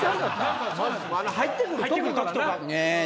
入ってくる時とかな。ねぇ！